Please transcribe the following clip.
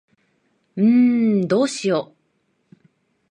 んーどうしよ。